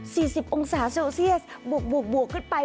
สิบองศาเซลเซียสบวกบวกบวกขึ้นไป